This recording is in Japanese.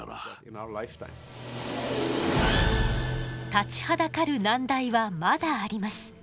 立ちはだかる難題はまだあります。